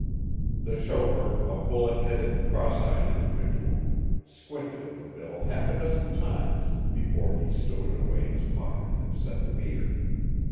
The chauffeur, a bullet headed, cross eyed individual, squinted at the bill half a dozen times before he stowed it away in his pocket and set the meter.